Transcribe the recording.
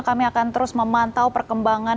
kami akan terus memantau perkembangan